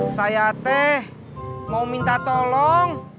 saya teh mau minta tolong